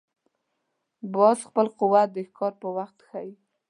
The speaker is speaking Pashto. باز خپل قوت د ښکار پر وخت ښيي